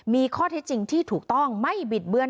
มีข้อเท็จจริงที่ถูกต้องไม่บิดเบือน